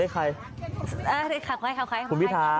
เอ่อเลขใครคุณพิธา